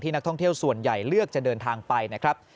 นักท่องเที่ยวส่วนใหญ่เลือกจะเดินทางไปนะครับ